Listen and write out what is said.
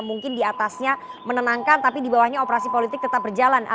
mungkin diatasnya menenangkan tapi di bawahnya operasi politik tetap berjalan